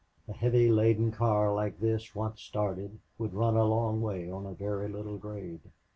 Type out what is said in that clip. A heavy laden car like this, once started, would run a long way on a very little grade.